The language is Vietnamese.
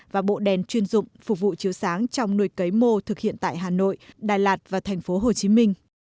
và bộ đèn chuyên dụng phục vụ chiếu sáng trong nuôi cấy mô thực hiện tại hà nội đà lạt và thành phố hồ chí minh